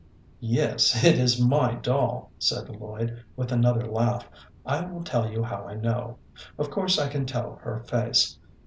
"Yes, it is my doll," said Lloyd, with another laugh. "I will tell you how I know. Of course I can tell her face.